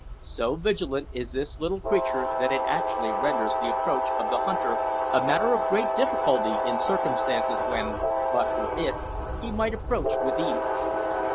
So vigilant is this little creature, that it actually renders the approach of the hunter a matter of great difficulty in circumstances when, but for it, he might approach with ease.